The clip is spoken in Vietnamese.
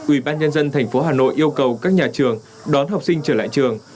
ủy ban nhân dân thành phố hà nội yêu cầu các nhà trường đón học sinh trở lại trường